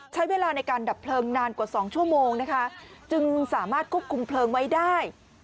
ใช้เวลาในการดับเพลิงนานกว่า๒ชั่วโมงนะคะจึงสามารถควบคุมเพลิงไว้ได้